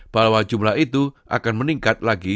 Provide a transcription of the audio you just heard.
bahwa jumlah itu akan meningkat lagi